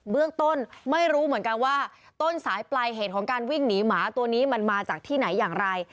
เรื่องต้นไม่รู้เหมือนกันว่าต้นสายปลายเหตุของการวิ่งหนีหมาตัวนี้มันมาจากที่ไหนอย่างไร